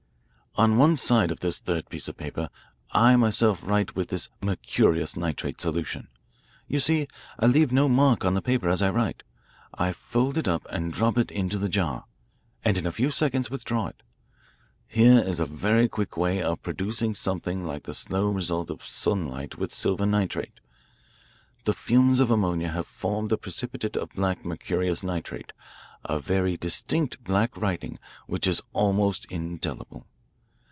"On one side of this third piece of paper I myself write with this mercurous nitrate solution. You see, I leave no mark on the paper as I write. I fold it up and drop it into the jar and in a few seconds withdraw it. Here is a very quick way of producing something like the slow result of sunlight with silver nitrate. The fumes of ammonia have formed the precipitate of black mercurous nitrate, a very distinct black writing which is almost indelible.